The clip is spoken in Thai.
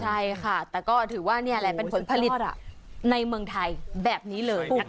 ใช่ค่ะแต่ก็ถือว่านี่แหละเป็นผลผลิตในเมืองไทยแบบนี้เลยนะคะ